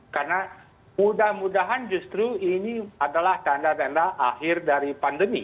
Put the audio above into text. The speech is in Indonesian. karena mudah mudahan justru ini adalah tanda tanda akhir dari pandemi